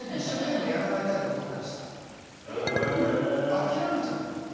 あきらめちゃってるわけ。